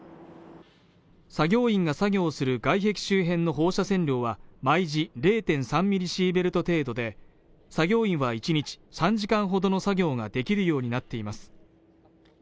作業員が作業をする外壁周辺の放射線量は毎時０．３ミリシーベルト程度で作業員は１日３時間ほどの作業ができるようになっています